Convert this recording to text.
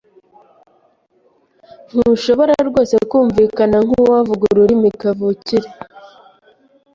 ntushobora rwose kumvikana nkuwavuga ururimi kavukire.